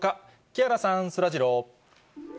木原さん、そらジロー。